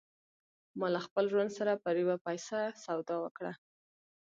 ما له خپل ژوند سره پر یوه پیسه سودا وکړه